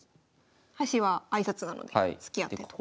端は挨拶なので突き合ってと。